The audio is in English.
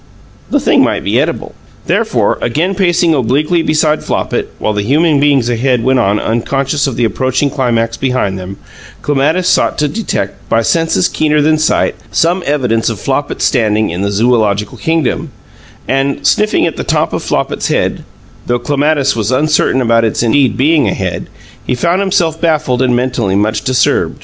The thing might be edible. Therefore, again pacing obliquely beside Flopit (while the human beings ahead went on, unconscious of the approaching climax behind them) Clematis sought to detect, by senses keener than sight, some evidence of Flopit's standing in the zoological kingdom; and, sniffing at the top of Flopit's head though Clematis was uncertain about its indeed being a head he found himself baffled and mentally much disturbed.